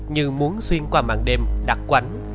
như muốn xuyên qua mạng đêm đặc quánh